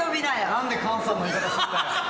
何で漢さんの言い方するんだよ